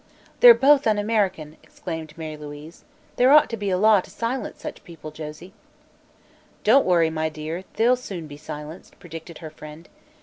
"They're both un American!" exclaimed Mary Louise. "There ought to be a law to silence such people, Josie." "Don't worry, my dear; they'll soon be silenced," predicted her friend.